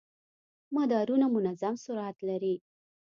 مدارونه منظم سرعت لري.